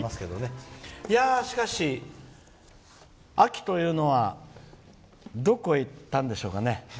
しかし、秋というのはどこへ行ったんでしょうかね。